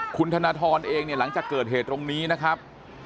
คุณธนทรเองเนี่ยหลังจากเกิดเหตุตรงนี้นะครับ